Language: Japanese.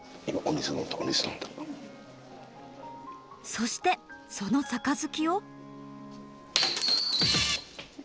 そしてその杯を。